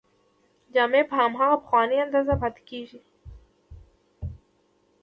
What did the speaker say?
جامې په هماغه پخوانۍ اندازه پاتې کیږي.